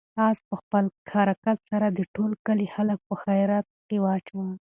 آس په خپل حرکت سره د ټول کلي خلک په حیرت کې واچول.